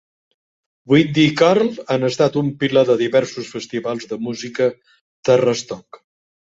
Windy i Carl han estat un pilar de diversos festivals de música Terrastock.